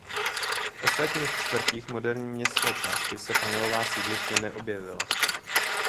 V ostatních čtvrtích moderní městské části se panelová sídliště neobjevila.